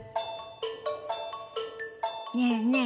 ねえねえ